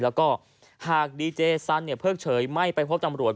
แล้วก็หากดีเจสันเพิ่งเฉยไม่ไปพบตำรวจ